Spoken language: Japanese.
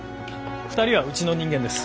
２人はうちの人間です。